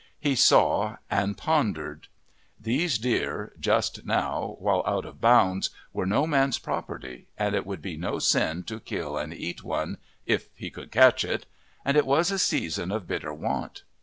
He saw and pondered. These deer, just now, while out of bounds, were no man's property, and it would be no sin to kill and eat one if he could catch it! and it was a season of bitter want.